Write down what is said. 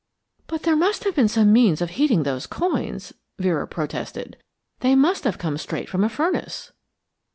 "But there must have been some means of heating those coins," Vera protested. "They must have come straight from a furnace."